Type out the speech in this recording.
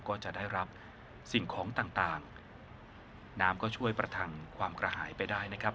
ก็จะได้รับสิ่งของต่างต่างน้ำก็ช่วยประทังความกระหายไปได้นะครับ